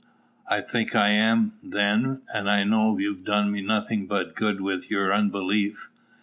_ I think I am, then; and I know you've done me nothing but good with your unbelief.